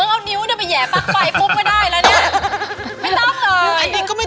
ก้าวเบื้องก้าว